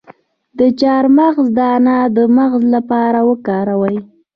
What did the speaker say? د چارمغز دانه د مغز لپاره وکاروئ